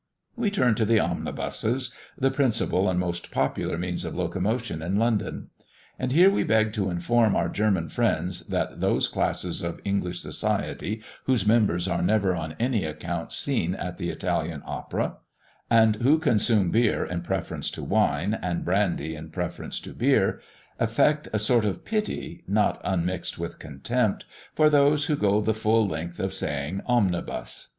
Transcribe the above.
We turn to the omnibuses, the principal and most popular means of locomotion in London. And here we beg to inform our German friends, that those classes of English society whose members are never on any account seen at the Italian Opera, and who consume beer in preference to wine, and brandy in preference to beer, affect a sort of pity, not unmixed with contempt, for those who go the full length of saying "Omnibus."